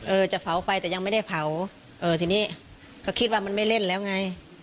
จะเผาไฟแต่ยังไม่ได้เผาเออทีนี้ก็คิดว่ามันไม่เล่นแล้วไง